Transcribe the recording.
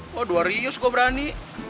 waduh rius gue berani